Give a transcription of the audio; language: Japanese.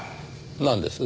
なんです？